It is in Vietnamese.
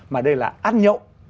mà đây là ăn nhậu